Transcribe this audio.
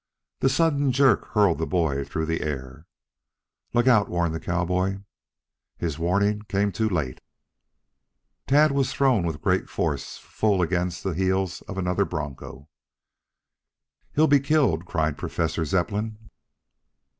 The sudden jerk hurled the boy through the air. "Look out!" warned the cowboy. His warning came too late. Tad was thrown with great force full against the heels of another broncho. "He'll be killed!" cried Professor Zepplin.